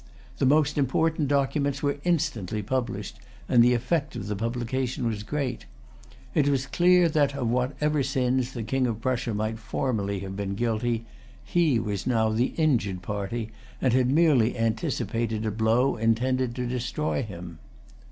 The most important documents were instantly published, and the effect of the publication was great. It was clear that, of whatever sins the King of Prussia might formerly have been guilty, he was now the injured party, and had merely anticipated a blow intended to destroy him.